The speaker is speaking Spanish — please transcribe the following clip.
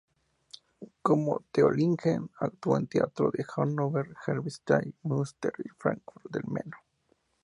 Como "Theo Lingen" actuó en teatros de Hanover, Halberstadt, Münster y Fráncfort del Meno.